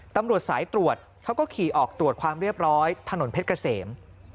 ตำรวจสายตรวจเขาก็ขี่ออกตรวจความเรียบร้อยถนนเพชรเกษม